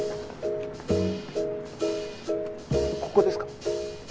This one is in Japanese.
ここですか？